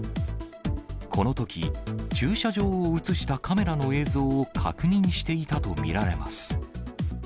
このとき、駐車場を写したカメラの映像を確認していたと見られます。